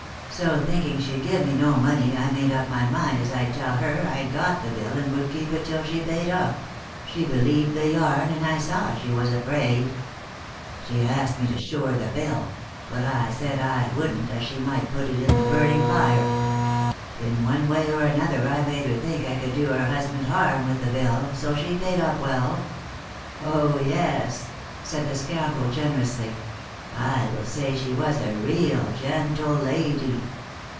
So thinking she'd give me no money, I made up my mind as I'd tell her I'd got the bill and would keep it till she paid up; she believed the yarn, and I saw she was afraid. She asked me to shew her the bill; but I said I wouldn't, as she might put it in the burning fire. In one way or another I made her think I could do her husband harm with the bill, so she paid up well. Oh, yes," said the scoundrel, generously, "I will say she was a real gentle lady."